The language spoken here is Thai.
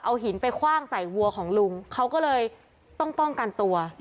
เอาหินไปคว่างใส่วัวของลุงเขาก็เลยต้องป้องกันตัว